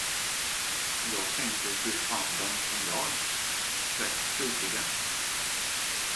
Jag tänker du fann dem som jag, rätt prydliga.